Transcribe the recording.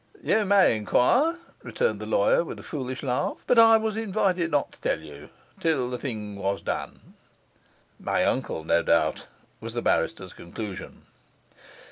'You may enquire,' returned the lawyer, with a foolish laugh; 'but I was invited not to tell you till the thing was done.' 'My uncle, no doubt,' was the barrister's conclusion.